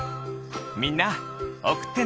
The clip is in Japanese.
みんなおくってね！